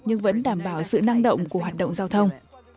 nhưng vẫn đảm bảo sự năng động của hoạt động giao thông